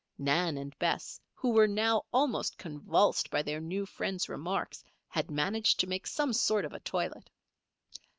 Nan and Bess, who were now almost convulsed by their new friend's remarks, had managed to make some sort of a toilet.